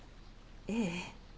ええ。